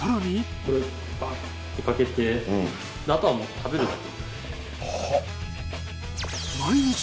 これバッてかけてあとはもう食べるだけ。